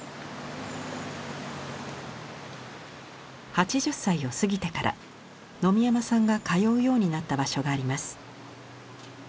８０歳を過ぎてから野見山さんが通うようになった場所があります。